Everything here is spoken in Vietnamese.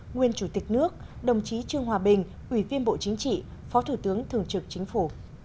nguyên chủ tịch nước đồng chí trương hòa bình ủy viên bộ chính trị phó thủ tướng thường trực chính phủ